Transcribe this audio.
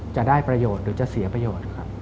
จะได้ประโยชน์หรือจะเสียประโยชน์ครับ